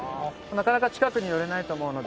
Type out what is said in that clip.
なかなか近くに寄れないと思うので。